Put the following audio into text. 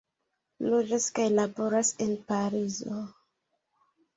Loĝas kaj laboras en Parizo.